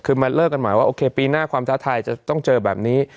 คือมาเลิกกันหมายว่าโอเคปีหน้าความท้าทายจะต้องเจอแบบนี้